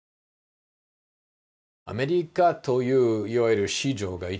アメリカといういわゆる市場が一番難しい。